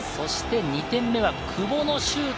２点目は久保のシュート。